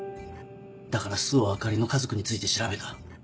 だから周防あかりの家族について調べた。